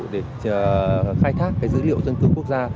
để khai thác dữ liệu dân cư quốc gia